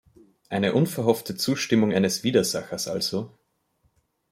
Eine unverhoffte Zustimmung eines Widersachers also?